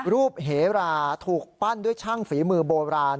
รูปเหราถูกปั้นด้วยช่างฝีมือโบราณ